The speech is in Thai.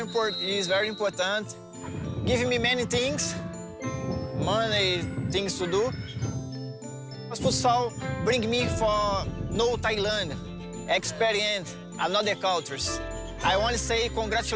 เพราะว่าทุกจำเป็นแค่สิ่งที่มีชีวิตก็ได้